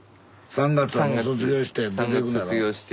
３月卒業して。